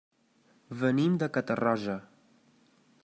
Venim de Catarroja.